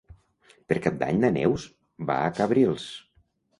Per Cap d'Any na Neus va a Cabrils.